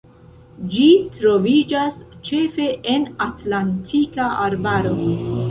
Ĝi troviĝas ĉefe en Atlantika arbaro.